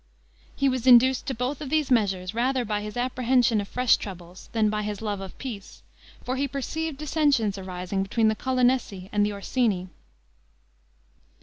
He was induced to both these measures rather by his apprehension of fresh troubles than by his love of peace, for he perceived dissensions arising between the Colonessi and the Orsini.